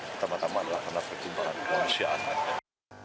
pertama tama adalah karena pertimbangan kepolisian